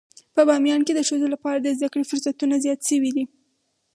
په باميان کې د ښځو لپاره د زده کړې فرصتونه زيات شوي دي.